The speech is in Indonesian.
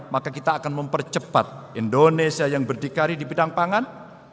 maka kita akan mempercepat indonesia yang berdikari di bidang pangan